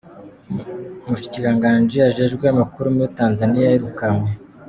Umushikiranganji ajejwe amakuru muri Tanzaniya yirukanywe.